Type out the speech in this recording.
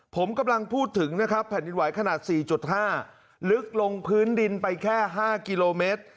ผมกำลังพูดถึงนะครับแผ่นดินไหวขนาด๔๕ลึกลงพื้นดินไปแค่๕กิโลเมตร